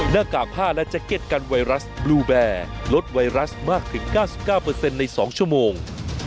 กากผ้าและแจ็คเก็ตกันไวรัสบลูแบร์ลดไวรัสมากถึง๙๙ใน๒ชั่วโมง